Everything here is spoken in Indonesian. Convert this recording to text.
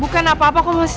bukan apa apa kok mas